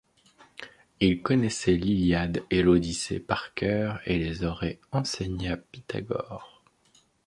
Il connaissait l'Iliade et l'Odyssée par cœur et les aurait enseignés à Pythagore.